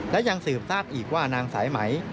และยังสืบทราบอีกว่านางสายไหม